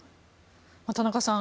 田中さん